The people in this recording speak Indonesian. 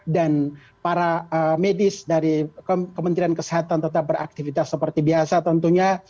dan para medis dari kementerian kesehatan tetap beraktifitas seperti biasa tentunya